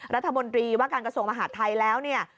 รัฐมนตรีว่าการกระทรวงมหาดไทยแล้วเนี่ย